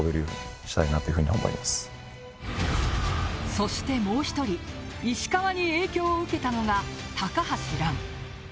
そしてもう１人石川に影響を受けたのが高橋藍。